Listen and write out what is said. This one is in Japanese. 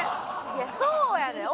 いやそうやねん。